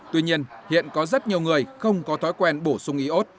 tuy nhiên hiện có rất nhiều người không có thói quen bổ sung iốt